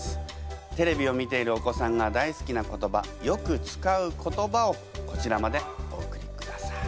テレビを見ているお子さんが大好きな言葉よく使う言葉をこちらまでお送りください。